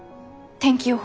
天気予報。